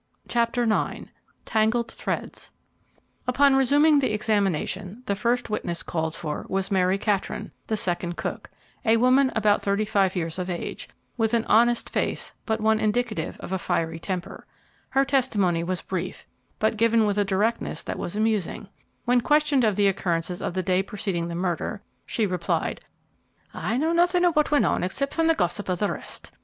CHAPTER IX TANGLED THREADS Upon resuming the examination, the first witness called for was Mary Catron, the second cook, a woman about thirty five years of age, with an honest face, but one indicative of a fiery temper. Her testimony was brief, but given with a directness that was amusing. When questioned of the occurrences of the day preceding the murder, she replied, "I know nothing of what went on except from the gossip of the rest.